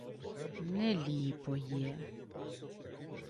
— Не ліпо є...